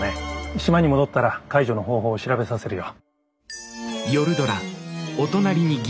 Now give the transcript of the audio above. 島に戻ったら解除の方法を調べさせるよ。